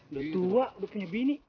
udah tua udah punya bini